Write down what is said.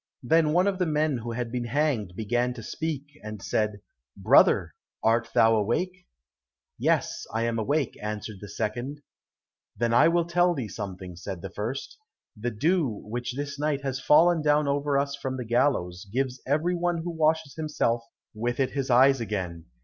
Then one of the men who had been hanged began to speak, and said, "Brother, art thou awake?" "Yes, I am awake," answered the second. "Then I will tell thee something," said the first; "the dew which this night has fallen down over us from the gallows, gives every one who washes himself with it his eyes again.